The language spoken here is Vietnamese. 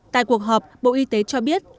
tại cuộc họp bộ y tế cho biết